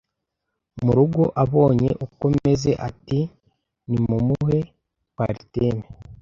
mu rugo abonye uko meze ati ntimumuhe coartem